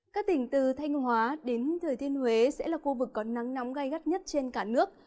các tỉnh từ thanh hóa đến thừa thiên huế sẽ là khu vực có nắng nóng gai gắt nhất trên cả nước